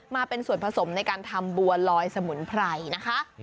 มาเป็นส่วนผสมในการทำบัวลอยสมุนไพรนะคะ